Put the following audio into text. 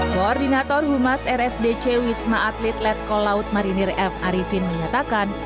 koordinator humas rsdc wisma atlet letkol laut marinir f arifin menyatakan